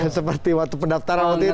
seperti waktu pendaftaran waktu itu